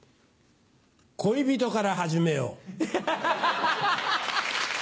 恋人から始めよう。